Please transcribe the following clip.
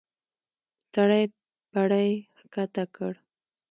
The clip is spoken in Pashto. سړی پړی کښته کړ.